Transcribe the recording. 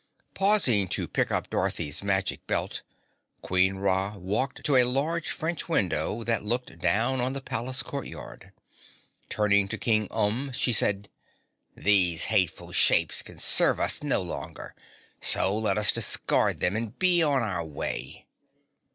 Pausing to pick up Dorothy's Magic Belt, Queen Ra walked to a large French window that looked down on the palace court yard. Turning to King Umb, she said, "These hateful shapes can serve us no longer, so let us discard them and be on our way."